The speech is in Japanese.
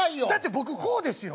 僕こうですよ。